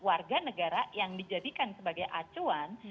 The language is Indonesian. warga negara yang dijadikan sebagai acuan